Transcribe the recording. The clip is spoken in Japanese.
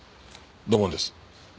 土門です。